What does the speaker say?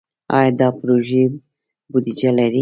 آیا دا پروژې بودیجه لري؟